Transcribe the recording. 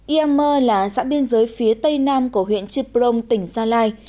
iammer là xã biên giới phía tây nam của huyện chiprong tỉnh gia lai